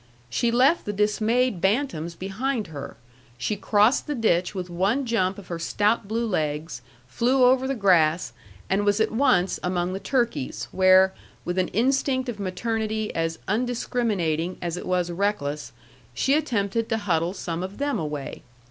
She left the dismayed bantams behind her. She crossed the ditch with one jump of her stout blue legs, flew over the grass, and was at once among the turkeys, where, with an instinct of maternity as undiscriminating as it was reckless, she attempted to huddle some of them away.